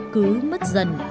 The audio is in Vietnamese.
cứ mất dần